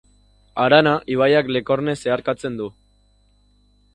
Harana ibaiak Lekorne zeharkatzen du.